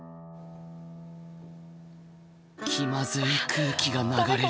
気まずい空気が流れる。